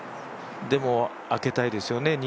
でもあけたいですよね